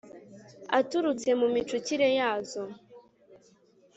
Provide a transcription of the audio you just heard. aturutse mu micukire ya zo